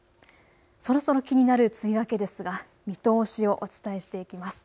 そろそろ気になる梅雨明けですが見通しをお伝えしていきます。